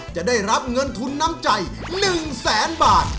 จะได้รับเงินทุนน้ำใจ๑แสนบาท